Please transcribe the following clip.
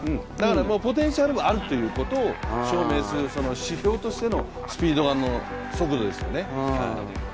ポテンシャルはあるということを証明する、指標としてのスピード、速度ですよね。